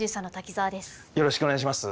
よろしくお願いします。